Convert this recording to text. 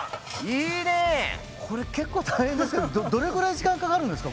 これ結構大変ですけどどれぐらい時間かかるんですか？